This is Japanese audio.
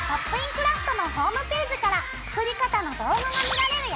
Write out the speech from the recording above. クラフト」のホームページから作り方の動画が見られるよ。